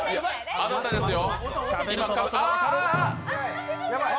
あなたですよ。